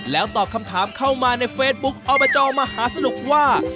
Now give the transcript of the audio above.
แล้วตอบคำถามเข้ามาในเฟซบุ๊คอบจมหาสนุกว่า